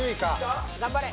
頑張れ！